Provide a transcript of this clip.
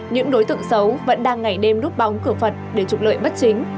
những đối tượng xấu vẫn đang ngày đêm rút bóng cửa phật để trục lợi bất chính